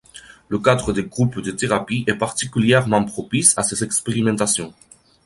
Le cadre des groupes de thérapie est particulièrement propice à ces expérimentations.